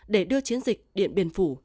để đưa chiến dịch điện biên phủ